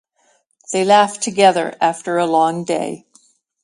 They laughed together after a long day.